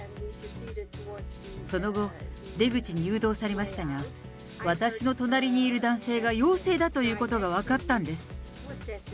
その後、出口に誘導されましたが、私の隣にいる男性が陽性だということが分かったんです。